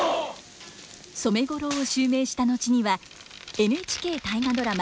染五郎を襲名した後にはＮＨＫ大河ドラマ